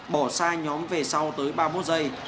bỏ xa nhóm về sau tới ba mươi một giây